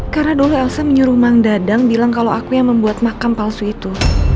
karena dulu elsa menyuruh mang dadang bilang kalo aku yang membuat makam palsu itu